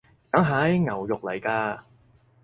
梗係！牛肉來㗎！